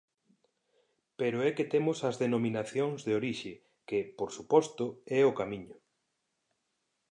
Pero é que temos as denominacións de orixe, que, por suposto, é o camiño.